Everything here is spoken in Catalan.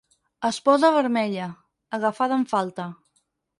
Es posa vermella, agafada en falta.